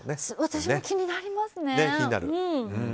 私も気になりますね。